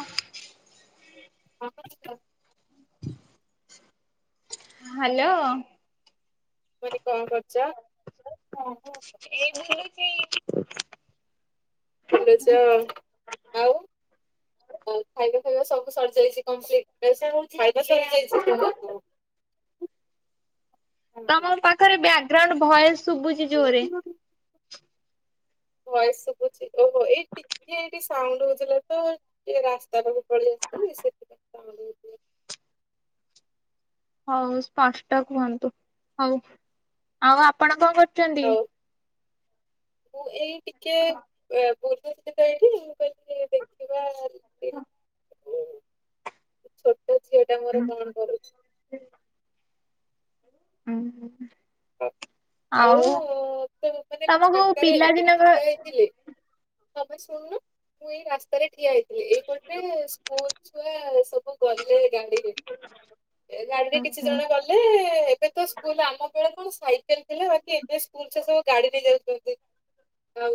ଅ ହଁ ହ୍ୟାଲୋ। ମୁଁ କହିଲି କଣ କରୁଛ? ଏଇ ବୁଲୁଚି। ବୁଲୁଚି ଆଉ ଆଉ। ଖାଇବା ଫାଇବା ସବୁ ସରିଯାଇଛି କମ୍ପ୍ଲିଟ ଖାଇବା ସରି ଯାଇଛି ସବୁ। ତମ ପାଖରେ ବ୍ୟାକଗ୍ରାଉଣ୍ଡ ଭଏସ ଶୁଭୁଛି ଜୋରରେ। ଭଏସ ସୁବୁଛି ଓହୋ ଏଠି। କି ଏଇଠି ସାଉଣ୍ଡ ହଉଥିଲା ତ ଟିକେ ରାସ୍ତାଟାକୁ ପଳେଇ ଆସିଥିଲି ସେଥିପାଇଁ ସାଉଣ୍ଡ ହ ହଉ ସ୍ପଷ୍ଟ କୁହନ୍ତୁ ହଉ ଆଉ ଆପଣ କଣ କରୁଛନ୍ତି? ମୁଁ ଏଇ ଟିକେ ଏ ପୂର୍ବ [inaudible] ତ ଏଇଠି ମୁଁ କହିଲି ଦେଖିବା ଛୋଟ ଝିଅଟା ମୋର କଣ କରୁଛି। ହୁଁ ଆଉ ତମକୁ ପିଲାଦିନଙ୍କ ଥିଲେ କପାଇଁ ଶୁଣୁନୁ ମୁଁ ଏଇ ରାସ୍ତାରେ ଠିଆ ହେଇଥିଲି ଏଇ ବୋଧେ ସ୍କୁଲ ଛୁଆ ସବୁ ଗଲେ ଗାଡିରେ। ଏ ଗାଡିରେ କିଛି ଓହୋ ଜଣ ଗଲେ ଏବେ ତ ସ୍କୁଲ ଆମ ସେତେବେଳକୁ ସାଇକେଲ ଥିଲା ବାକି ଏବେ ସ୍କୁଲ ଛୁଆ ସବୁ ଗାଡିରେ ଯାଉଛନ୍ତି। ଆଉ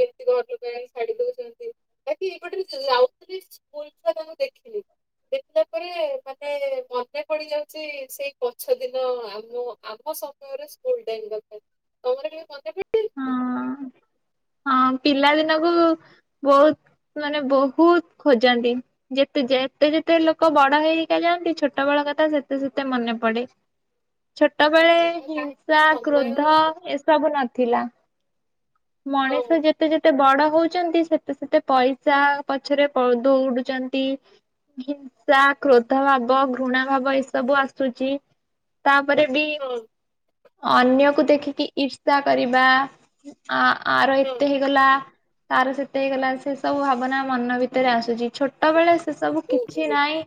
କେମିତି ଘର ଲୋକ ଶାଢୀ ଦଉଛନ୍ତି ବାକି ଏପଟେ ଯାଉ ସ୍କୁଲ ଛୁଆ ତା ମୁଁ ଦେଖିଲି। ଦେଖିଲା ପରେ ମାନେ ମନେ ପଡି ଯାଉଛି ସେଇ ପଛ ଦିନ ଆମ ଆମ ସମୟର ସ୍କୁଲ ଟାଇମ୍ କଥା ତମର କେବେ ମନେ ପଡେନି? ହଁ ହଁ ପିଲା ଦିନକୁ ବହୁତ ମାନେ ବହୁତ ଖୋଜନ୍ତି। ଯେତେ ଯେତେ ଯେତେ ଲୋକ ବଡ ହେଇିକା ଯାଆନ୍ତି ଛୋଟ ବେଳ କଥା ସେତେ ସେତେ ମନେ ପଡେ। [unintelligible] ଛୋଟବେଳେ ହିଂସା କ୍ରୋଧ ଏସବୁ ନଥିଲା। ମଣିଷ ଯେତେ ଯେତେ ବଡ ହଉ ଚନ୍ତି ସେତେ-ସେତେ ପଇସା ପଛରେ ପ ଦୌଡୁଛନ୍ତି। ହିଂସା, କ୍ରୋଧ ଭାବ, ଘୃଣା ଭାବ ଏ ସବୁ ଆସୁଛି। ତାପରେ ବି ଅନ୍ୟକୁ ଦେଖିକି ଇର୍ଷ୍ କରିବା ଆ-ଆର ଏତେ ହେଇଗଲା ତାର ସେତେ ହେଇଗଲା ସେ ସବୁ ଭାବନା ମନ ଭିତରେ ଆସୁଛି ଛୋଟବେେଳେସ୍ ସେ ସବୁ କିଛି ନାଇଁ।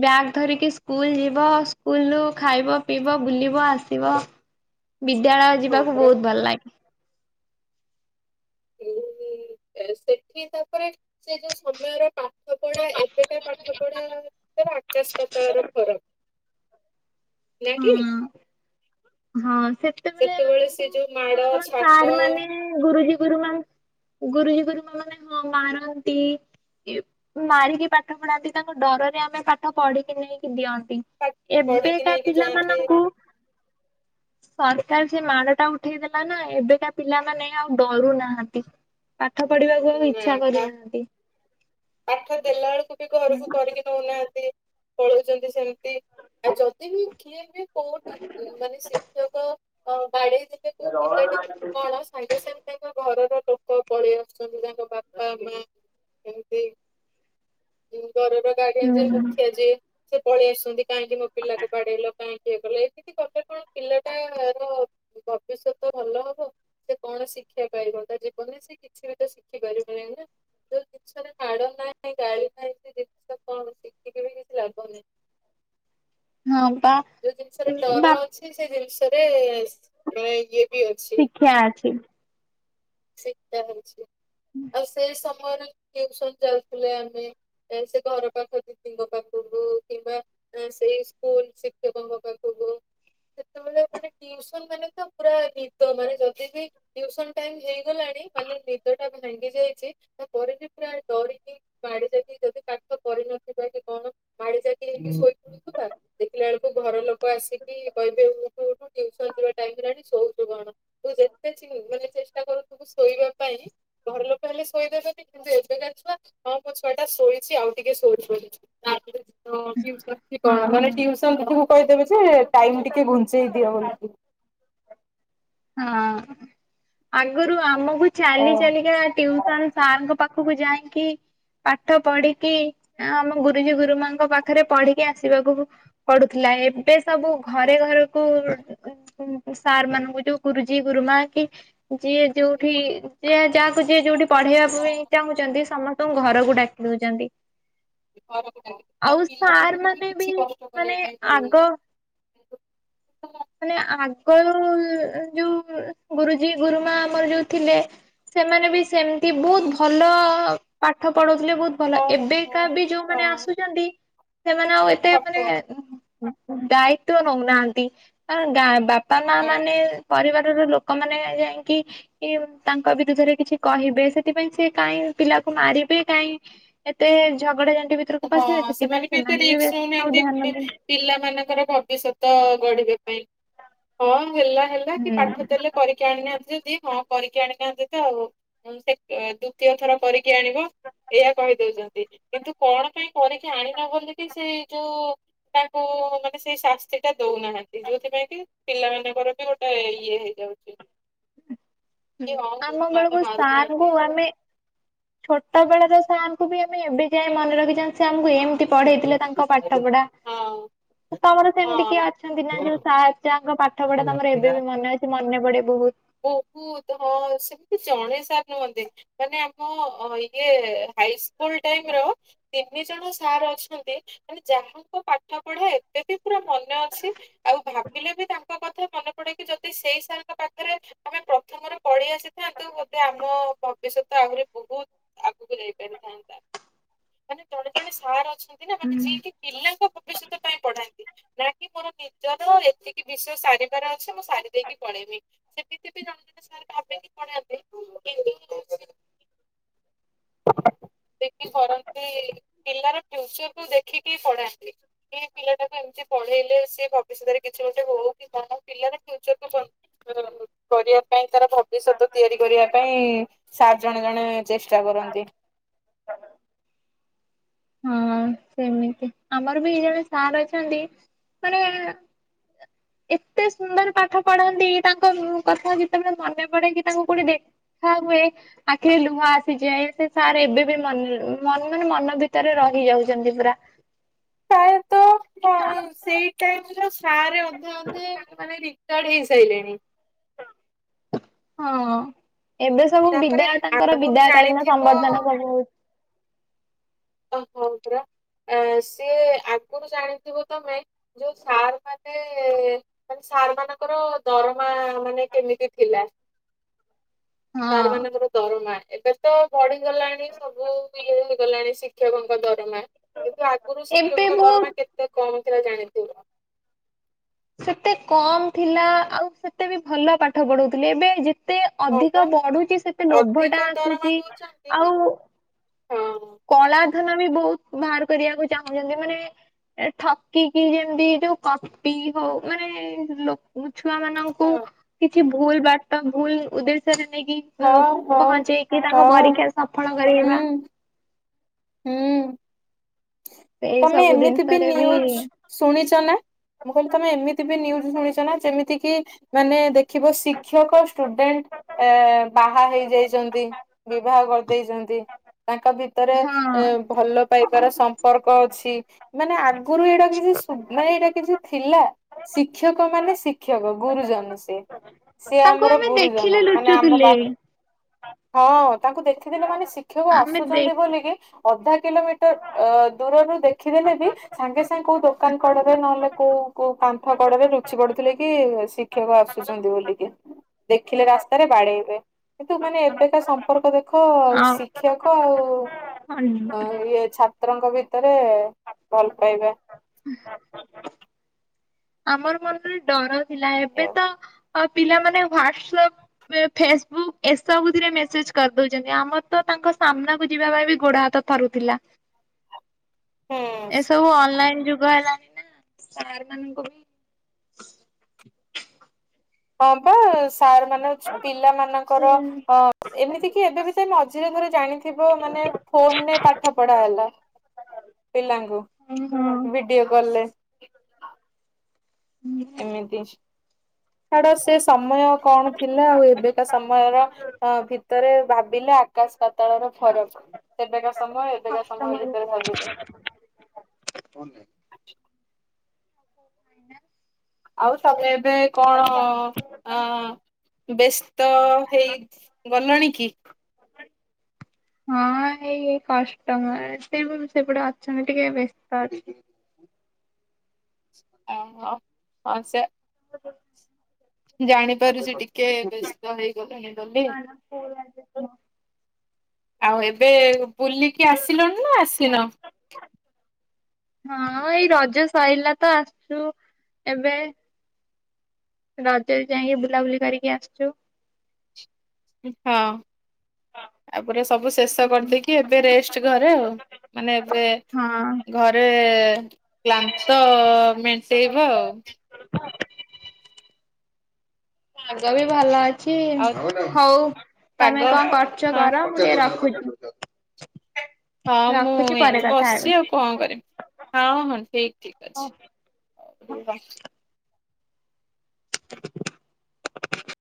ବ୍ୟାଗ ଧରିକି ସ୍କୁଲ ଯିବ ସ୍କୁଲରୁ ଖାଇବ ପିଇବ ବୁଲିବ ଆସିବ। ବିଦ୍ୟାଳୟ ଯିବାକୁ ବହୁତ ଭଲ ଲାଗେ। ଉଁ-ଉଁ-ଉଁ ସେଠି ତାପରେ ସେ ଯୋଉ ସମୟର ପାଠ ପଢା ଏ [inaudible] ପାଠପଢ଼ା ତ ଆକାଶ ପାତାଳର ଫରକ୍। ନା କିି? ହୁଁ। ହଁ ସେତେବେଳେ ଆମକୁ [inaudible] ସାରମାନେ ଗୁରୁଜୀ ଗୁରୁମା ଗୁରୁଜୀ ଗୁରୁମା ମାନେ ହଁ ମାରନ୍ତି। ଇ ମାରିକି ପାଠ ପଢାନ୍ତି ତାଙ୍କ ଡରରେ ଆମେ ପାଠ ପଢିକି ନେଇକି ଦିଅନ୍ତି। ଏବେକା ପିଲାମାନଙ୍କୁ ସରକାର ସେ ମାଡ଼ଟା ଉଠେଇ ଦେଲା ନା ଏବେକା ପିଲାମାନେ ଆଉ ଡରୁ ନାହାନ୍ତି। ପାଠ ପଢିବାକୁ ଆଉ ଇଚ୍ଛା କରୁ ନାହାନ୍ତି। ପାଠ ଦେଲା ବେଳକୁ ବି ଘରକୁ କରିକି ଦଉ ନାହାନ୍ତି, ପଳଉଛନ୍ତି ସେମତି, ଆଉ ଯଦି ବି କିଏ ବି କୋଉଠି ଉଁ-ଉଁ ମାନେ ଶିକ୍ଷକ ଅଁ ବାଡେଇ ଦେଇ [unintelligible] ସାଙ୍ଗେ-ସାଙ୍ଗେ ତାଙ୍କ ଘରର ଲୋକ ପଳେଇଆ ସାଙ୍ଗେସାଙ୍ଗେ [inaudible] ବାପା ମାଆ ଏମିତି ଘରର [inaudible] ହୁଁ। ମୁଖିଆ ଯିଏ ସେ ପଳେଇ ଆସୁଛନ୍ତି କାହିଁକି ମୋ ପିଲାକୁ ବାଡେଇଲ କାହିଁକି ଏ କଲ ଏ [inaudible] କି କଥା କଣ ପିଲାଟାର ଭବିଷ୍ୟତ ଭଲ ହବ ସେ କଣ ଶି୍ଷା ପାଇବ ତା ଜୀବନରେ ସେ କିଛି ବି ସେ ଶିଖି ପାରିବନି ନା ଯୋଉ ଜିନିଷରେ ମାଡ଼ ନାହିଁ ଗାଳି ନାହିଁ ସେ ଜିନିଷ କଣ ଶି ଟିକେ ବି କିଛି ଲାଗୁନି, ହଁ ବା ଯୋଉ ଜିନିଷରେ ବା ଡର ଅଛି କି ସେ ଜିନିଷରେ ମେ ଇଏ ବି ଅଛି। କ୍ଷା ଅଛି। ଶିକ୍ଷା ଅଛି, ଆଉ ସେଇ ସମୟରେ ଟ୍ୟୁସନ ଚାଲିଥିଲେ ଆମେ ଏ ସେ ଘର ପାଖ ଦିଦିଙ୍କ ପାଖକୁ କିମ୍ବା ନା ସେଇ ସ୍କୁଲ ଶିକ୍ଷକଙ୍କ ପାଖକୁ ସେତେବେଳେ ମାନେ ଟ୍ୟୁସନ ମାନେ ତ ପୁରା ନିଦ ମାନେ ଯଦି ବି ଟ୍ୟୁସନ ଟାଇମ ହେଇ ଗଲାଣି ମାନେ ନିଦଟା ଭାଙ୍ଗି ଯାଇଛି ତାପରେ ବି ପୁରା ଡରିକି ବାଡି ଦେବି ଯଦି ପାଠ କରି ନଥିବା କି କଣ ମାଡି ଯାକିକି ଶୋଇପଡୁଥୁବା, ଦେଖିଲା ବେଳକୁ ଘର ଲୋ କ ଆସିକି କହିବେ ଉଠ ଉଠ ଟ୍ୟୁସନ ଯିଵା ଟାଇମ୍ ହେଲାଣି ଶୋଉଛୁ କଣ? ହ ତାକୁ ଶୋଇବା ପାଇଁ ଘର ଲୋକ ହେଲେ ଶୋଇ ଦେବେନି କିନ୍ତୁ ଏବେକା ଛୁଆ ହଁ ମୋ ଛୁଆଟା ଶୋଇଛି ଆଉ ଟିକେ ଶୋଉ। [inaudible] ଟ୍ୟୁସନ ଯିବ ହଁ। ମାନେ ଟ୍ୟୁସ୍ [unintelligible] କହିଦେବେ ଯେ ଟାଇମ୍ ଟିକେ ଘୁଞ୍ଚେଇ ଦିଅ ବୋଲିକି। ହଁ-ଅ-ଅ ଆଗରୁ ଆମକୁ ଚାଲି ଚାଲିକା ଟ୍ୟୁସନ ସାରଙ୍କ ପାଖକୁ ଯାଇକି ପାଠ ପଢିକି ଆମ ଗୁରୁଜୀ ଗୁରୁମାଙ୍କ ପାଖରେ ପଢିକି ଆସିବାକୁ ପଡୁଥିଲା ଏବେ ସବୁ ଘରେ ଘରକୁ ସାର୍ ମାନଙ୍କୁ ଯୋଉ ଗୁରୁଜୀ ଗୁରୁମା କି ଯିଏ ଯୋଉଠି ଯି ଯାହାକୁ ଯିଏ ଯୋଉଠି ପଢେଇବା କୁ ବି ଚାହୁଁଛନ୍ତି ସମସ୍ତଙ୍କୁ ଘରକୁ ଡାକି ଦଉଛନ୍ତି। [inaudible] ତା ଆଉ ସାର୍ ପିଲାମାନଙ୍କୁ ବି ମାନେ କିଛି କଷ୍ଟ ମାନେ କରିବା ପାଇଁ ପଡୁନି। ଆଗ ମାନେ ଆଗରୁ ଯୋଉ ଗୁରୁଜୀ ଗୁରୁମା ଆମର ଯୋଉ ଥିଲେ ସେମାନେ ବି ସେମିତି ବହୁତ ଭଲ ପାଠ ପଢଉଥିଲେ ବହୁତ ଭଲ ଏବେ ଅବିକା ବି ଯୋଉମାନେ ଆସୁଛନ୍ତି ସେମାନେ ଆଉ ଏ ଠକ। ଦାୟିତ୍ୱ ନଉନାହାଁନ୍ତି। କଣ ଗାଁ ବାପା ମାଆ ମାନେ ପରିବାର ର ଲୋକମାନେ ଯାଇଁକି କି ତାଙ୍କ ବିରୁଦ୍ଧରେ କିଛି କହିବେ ସେଥିପାଇଁ ସେ କାଇଁ ପିଲାକୁ ମାରିବେ କାଇଁ ଏତେ ଝଗଡା ଝାଣ୍ଟି ଭିତରକୁ ପଶିବେ ସେଥିପାଇଁ ସେମାନେ ବି ବେଶୀ ଆଉ ଧ୍ୟାନ ଦେଉ ନାହାନ୍ତି। ପିଲା ମାନଙ୍କର ଭବିଷ୍ୟତ ଗଢିବା ପାଇଁ ହଁ ହେଲା ହେଲା କି ହୁଁ। ପାଠ ଦେଲେ କରିକି ଆଣିନାହାନ୍ତି ଯଦି ହଁ କରିକି ଆଣିନାହାନ୍ତି ତ ଆଉ। ସେ ଦ୍ଵିତୀୟ ଥର କରିକି ଆଣିବ ଏଇଆ କହିଦଉଛନ୍ତି କିନ୍ତୁ କଣ ପାଇଁ କରିକି ଆଣିନ ବୋଲି ସେଇ ଯୋଉ ତାଙ୍କୁ ମାନେ ସେଇ ଶାସ୍ତିଟା ଦଉନାହାନ୍ତି ଯୋଉଥିପାଇଁ କି ପିଲା ମାନଙ୍କର ବି ଗୋ ଟେ ଇଏ ହେଇଯାଉଛି। ହୁଁ ଆମ ବେଳକୁ ସାରକୁ ଆମେ ଛୋଟ ବେଳର ସାର୍ଙ୍କୁ ବି ଆମେ ଏବେ ଯାଏ ମନେ ରଖିଛନ୍ତି ସେ ଆମକୁ ଏମିତି ପଢେଇଥିଲେ ତାଙ୍କ ପା ପାଠପଢା। ତମର ସେମିତି କିଏ ଅଛନ୍ତି ନା ଯୋଉ ସା ଜାହାଙ୍କ ପାଠ ପଢା ତମର ଏବେ ବି ମନେ ଅଛି ମନେ ପଡେ ବହୁତ। ବହୁତ ହଁ ସେମିତି ଜଣେ ସାର୍ ନୁହଁନ୍ତି। ମାନେ ଆମ ଇଏ ହାଇ ସ୍କୁଲ ଟାଇମ ର ତିନି ଜଣ ସାର୍ ଅଛନ୍ତି ମାନେ ଯାହାଙ୍କ ପାଠ ପଢା ଏବେ ବି ପୁରା ମନେ ଅଛି ଆଉ ଭାବିଲେ ବି ତାଙ୍କ କଥା ମନେ ପଡେ କି ଯଦି ସେଇ ସାରଙ୍କ ପାଖ ରେ ଆମେ ପ୍ରଥମରୁ ପଢି ଆସିଥାନ୍ତୁ ବୋଧେ ଆମ ଭବିଷ୍ୟତ ଆହୁରି ବହୁତ ଆଗକୁ ଯାଇପାରିଥାନ୍ତା ମାନେ ଜଣେ ଜଣେ ସାର୍ ଅଛନ୍ତି ନା ମାନେ ଯିଏକି ପିଲାଙ୍କ ଭବିଷ୍ୟତ ପାଇଁ ପଢାନ୍ତି ନା କି ମୋର ନିଜର ଏତିକି ବିଷୟ ସାରିବାର ଅଛି ମୁଁ ସାରିଦେଇକି ପଳେଇବି। ସେମିତି ବି ଜଣେ ଜଣେ ସାର୍ ବାଗେଇକି ପଢ଼ାନ୍ତି [inaudible] [inaudible] ବେଗି କରନ୍ତି। ପିଲାର ଫ୍ୟୁଚର କୁ ଦେଖିକି ପଢାନ୍ତି କି ପିଲାଟାକୁ ନିଜେ ପଢେଇଲେ ସେ ଭବିଷ୍ୟତରେ କିଛି ଗୋଟେ ହଉକି କି କଣ ପିଲାର ଫ୍ୟୁଚରକୁ ଯଗିକି ପୁରା ରଖନ୍ତି। କରିବା ପାଇଁ ତାର ଭବିଷ୍ୟତ ତିଆରି କରିବା ପାଇଁ ସାର୍ ଜଣେ ଜଣେ ଚେଷ୍ଟା କରନ୍ତି। ହଁ ସେମିତି ଆମର ବି ଏ ଜଣେ ସାର୍ ଅଛନ୍ତି ମାନେ ହ ଏତେ ସୁନ୍ଦର ପାଠ ପଢନ୍ତି ତାଙ୍କ କଥା ଯେତେବେଳେ ମନେ ପଡେ କିି ତାଙ୍କୁ କୋଉଠି ଦେ ଦେଖା ହୁଏ ଆଖିରେ ଲୁହ ଆସିଯାଏ ସେ ସାର୍ ଏବେ ବି ମନରେ ମନ ମାନେ ମନ ଭି ଭିତରେ ରହି ଯାଉଛନ୍ତି ପୁରା। ପ୍ରାୟତଃ ସେଇ ଟାଇମର ସାରେ ଅଧେ ଅଧେ ମାନେ ରି ରିଟାଡ ହେଇସାଇଲେଣି। ହଁ ଏବେ ସବୁ ବିଦାୟ ତାଙ୍କର ବିଦାୟ କାଳୀନ ସମ୍ବର୍ଦ୍ଧନା କରିବୁ। [unintelligible] ସିଏ ଆଗରୁ ଜାଣିଥିବ ତମେ। ଯୋଉଁ ସାର୍ ମାନେ। ମାନେ ସାର୍ ମାନଙ୍କର ଦରମା ମାନେ କେମିତି ଥିଲା? ସାର୍ ହଁ ମାନଙ୍କ ତୁରୁଫ୍। ଦରମା ଏବେ ତ ବଢି଼ଗଲାଣି। ସବୁ ଇଏ ହେଇଗଲାଣି ଶିକ୍ଷକଙ୍କ ଦରମା। କିନ୍ତୁ ଆଗୁରୁ ଏବେ ଶିକ୍ଷକଙ୍କ ବହୁତ ଦରମା କେତେ କମ୍ ଥିଲା ଜାଣିଥିବ? ସେତେ କମ୍ ଥିଲା ଆଉ ସେତେ ବି ଭଲ ପାଠ ପଢ଼େଉଥିଲେ। ଏବେ ଯେ ଏତେ ଅଧିକ ବଢ଼ୁଚି ସେତେ ଲୋଭ ଟା ଆସୁଛି ଆଉ। ହଁ। କଳା ଧନ ବି ବହୁତ ବାହାର କରିବାକୁ ଚାହୁଁଛନ୍ତି ମାନେ। ଠକିକି ଯେମିତି ଯୋଉ କପି ହଉ ମାନେ ଲକ ମୁଁ ଛୁଆ ମାନଙ୍କୁ କିଛି ଭୁଲ୍ ବାଟ ଭୁଲ୍ ଉଦ୍ଦେଶ୍ୟରେ ନେଇକି। ଲେକ ପହଞ୍ଚେଇକି ତାଙ୍କ ପରୀକ୍ଷା ସଫଳ କରିବା। ହୁଁ ସେଇ ତମେ ସବୁ ଏମିତି ବି ଜିନିଷରେ ନ୍ୟୁଜ୍ ଶୁଣିଚ ନା? ମୁଁ କହିଲି ତମେ ଏମିତି ବି ନ୍ୟୁଜ୍ ଶୁଣିଚ ନା ଯେମିତି କିି ମାନେ ଦେଖିବ ଶିକ୍ଷକ ଷ୍ଟୁଡେଣ୍ଟ ଏଁ ବାହା ହେଇ ଯାଇଛନ୍ତି। ବିବାହ କରିଦେଇଚନ୍ତି ତାଙ୍କ ଭିତରେ ହଁ ଭଲ ପାଇବାର ସମ୍ପର୍କ ଅଛି ମାନେ ଆଗରୁ ଏଇଟା କିଛି ମାନେ ଏଇଟା କିଛି ଥିଲା। ଶିକ୍ଷକ ମାନେ ଶିକ୍ଷକ ଗୁରୁଜନ ସେ ସିଏ ତାଙ୍କୁ ଆମର ଆମେ ଦେଖିଲେ ଗୁରୁଜନ ମାନେ ଆମ ଲୁଚୁଥିଲେ ବାପ୍ ହଁ ତାଙ୍କୁ ଦେଖିଦେଲେ ମାନେ, ଶିକ୍ଷକ ଆମେ ଦେ ଆସୁଛନ୍ତି ବୋଲିକି ଅଧା କିଲୋମିଟର ଅଁ ଦୂରରୁ ଦେଖିଦେଲେ ବି। ସାଙ୍ଗେ ସାଙ୍ଗେ କୋଉ ଦୋକାନ କଡ଼ରେ ନହେଲେ କୋଉ କୋଉ କାନ୍ଥ କଡ଼ରେ ଲୁଚି ପଡୁଥିଲେ କି ଶିଖ୍ ଶିକ୍ଷକ ଆସୁଛନ୍ତି ବୋଲିକି ଦେଖିଲେ ରାସ୍ତାରେ ବାଡ଼େଇବେ। କିନ୍ତୁ ମାନେ, ଏବେକା ସମପ୍ ସମ୍ପର୍କ ଦେଖ ଆଉ ଶିକ୍ଷକ ଆଉ ଅ ହଁ ଇଏ ଛାତ୍ ଛାତ୍ରଙ୍କ ଭିତରେ ଭଲ ପାଇବା। [inaudible] ଆମର ମନରେ ଡର ଥିଲା, ଏବେ ତ ଆଉ ପିଲାମାନେ ଫାଷ୍ଟଫଲକ୍। ଏବେ ଫେସବୁକ୍ ଏସବୁଥିରେ ମେସେଜ୍ କରିଦଉଚନ୍ତି। ଆମର ତ ତାଙ୍କ ସାମ୍ନାକୁ ଯିବା ପାଇଁ ଗୋଡ ହାତ ପାରୁଥିଲା। ହ ଏସବୁ ଅନଲାଇନ ଯୁଗ ହେଲାଣି ନା ସାର୍ ମାନଙ୍କୁ। ହଁ ପା ସାର୍ ମାନେ ପିଲାମାନଙ୍କର। ହୁଁ। ଅପ୍ ଏମିତି କି ଏବେ ବି ସେ ମଝିରେ ଥରେ ଜାଣିଥିବ ମାନେ ଫୋନ୍ ରେ ପାଠପଢ଼ା ହେଲା। ପିଲାଙ୍କୁ ହଁ ହଁ ଭିଡିଓ କଲରେ। ହୁଁ ଏମିତି ସାଡ ସେ ସମୟ କଣ ଥିଲା ଆଉ ଏବେକା ସମୟର! ହଁ ଭିତରେ ଭାବିଲେ ଆକାଶ ପାତଳର। ଫରକ ଏବେକା ସମୟ ଏବେକା ସମୟ କଷ୍ଟ ଭିତରେ ଦେଫେନ୍ସ। [inaudible] ଆଉ ସବ୍ ବେ ଏବେ କଣ ଆଁ ବେଶ୍। ତ ହେଇ ଗଲଣି କି? ହଁ ହେଇ କଷ୍ଟମର ସେ [unintelligible] ସେପଟେ ଅଛନ୍ତି ଟିକେ ବ୍ୟସ୍ତ ଅଛି। ଆଁ ହୋ ହଁ ସେ। ଜାଣିପାରୁଚ, ଟିକେ ବେସ୍ତ ହେଇଗଲେ, ହେଇଗଲେ। ଆଉ ଏବେ ବୁଲିକି ଆସିଲଣି ନା ଆସିନ? ହଁ ଏଇ ରଜ ସଇଲା ତ ଆସଚୁ ଏବେ। ରଜରେ ଯାଇଁକି ବୁଲାବୁଲି କରିକି ଆସଚୁ। ଉଁ ହଁ ତାପରେ ସବୁ ଶେଷ କରିଦେଇକି ଏବେ ରେଷ୍ [unintelligible] ଘରେ ଆଉ ମାନେ ଏବେ ହଁ। ଘରେ କ୍ଲାନ୍ତ ମେଣ୍ଟେଇବ ଆଉ। ପାଗ ବି ଭଲ ଅଛି। ହଉ ତମେ କଁ କରୁଚ କର। ଟିକେ [unintelligible] ହଁ ମୁଁ ରଖୁଛି ଏଇ ପରେ କଥା ବସଚି ହେବି। ଆଉ କଁ କରିବି। ହଉଁ ହଁ ଠିକ୍ ଠିକ୍ ଅଛି [unintelligible] ରୁହ। [inaudible]